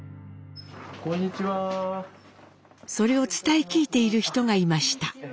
それを伝え聞いている人がいました。